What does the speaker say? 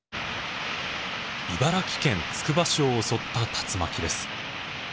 茨城県つくば市を襲った竜巻です。